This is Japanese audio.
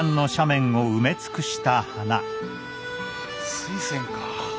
水仙か。